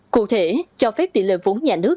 cụ thể cho phép tỷ lệ vốn nhà nước